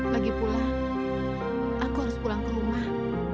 lagipula aku harus pulang ke rumah